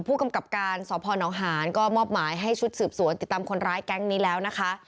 ผู้กำกับการสพนหานก็มอบหมายให้ชุดสืบสวนติดตามคนร้ายแก๊งนี้แล้วนะคะ